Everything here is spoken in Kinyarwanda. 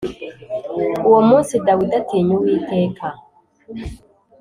Uwo munsi Dawidi atinya Uwiteka.